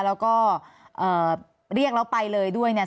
แล้วก็เรียกแล้วไปเลยด้วยเนี่ย